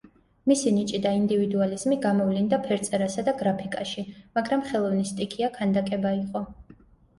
მისი ნიჭი და ინდივიდუალიზმი გამოვლინდა ფერწერასა და გრაფიკაში, მაგრამ ხელოვნის სტიქია ქანდაკება იყო.